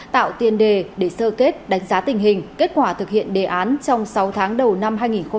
tạo tiền đề để sơ kết đánh giá tình hình kết quả thực hiện đề án trong sáu tháng đầu năm hai nghìn hai mươi